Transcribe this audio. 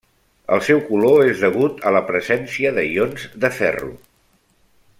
El seu color és degut a la presència de ions de ferro.